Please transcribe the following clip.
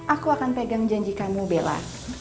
aku akan pegang janji kamu bella